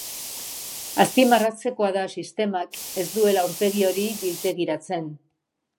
Azpimarratzekoa da sistemak ez duela aurpegi hori biltegiratzen.